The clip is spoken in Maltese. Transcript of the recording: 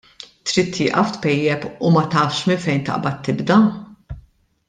Trid tieqaf tpejjep u ma tafx minn fejn taqbad tibda?